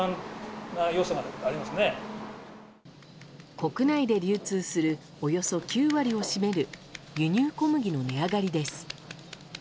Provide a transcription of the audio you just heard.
国内で流通するおよそ９割を占める輸入小麦の値上がりです。